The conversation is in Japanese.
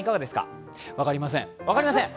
分かりません。